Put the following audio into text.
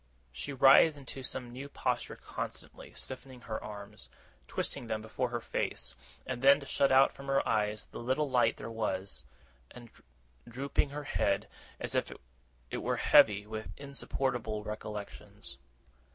She writhed into some new posture constantly: stiffening her arms, twisting them before her face, as though to shut out from her eyes the little light there was, and drooping her head, as if it were heavy with insupportable recollections.